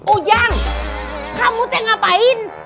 ujang kamu teh ngapain